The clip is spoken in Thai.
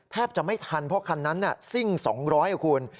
แทบจะไม่ทันเพราะคันนั้นซิ่ง๒๐๐คุณ